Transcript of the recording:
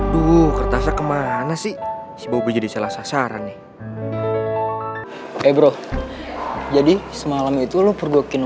lho kertasnya ke mana sih sih sibu jadi salah sasaran nih eh bro jadi semalam itu lu pergokin